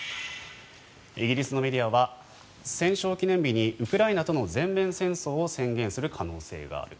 イギリスのメディアは戦勝記念日にウクライナとの全面戦争を宣言する可能性がある。